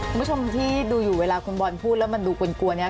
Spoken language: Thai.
คุณผู้ชมที่ดูอยู่เวลาคุณบอลพูดแล้วมันดูกลวเนี่ย